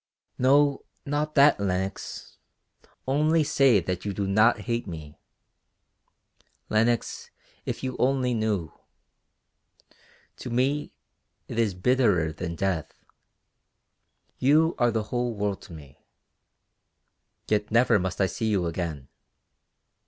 "No, not that, Lenox. Only say that you do not hate me. Lenox, if you only knew. To me it is bitterer than death. You are the whole world to me, yet never must I see you again.